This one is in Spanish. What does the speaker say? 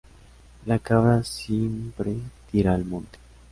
La cabra siempre tira al monte